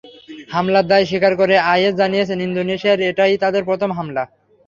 হামলার দায় স্বীকার করে আইএস জানিয়েছিল, ইন্দোনেশিয়ায় এটাই তাদের প্রথম হামলা।